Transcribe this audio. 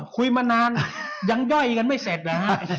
คุยมานานยังย่อยกันไม่เสร็จเหรอฮะ